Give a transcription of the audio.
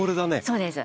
そうです。